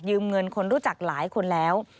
เงินคนรู้จักหลายคนแล้ว